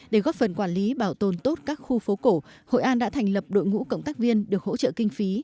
để góp phần quản lý bảo tồn tốt các khu phố cổ hội an đã thành lập đội ngũ cộng tác viên được hỗ trợ kinh phí